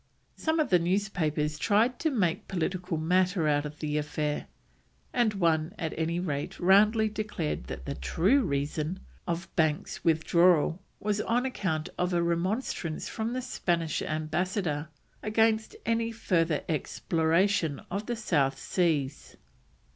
Some of the newspapers tried to make political matter out of the affair, and one at any rate roundly declared that "the true reason" of Banks's withdrawal was on account of a remonstrance from the Spanish Ambassador against any further exploration of the South Seas.